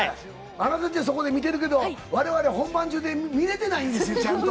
あなたたちはそこで見てるけど、われわれ、本番中で見れてないんですよ、ちゃんと。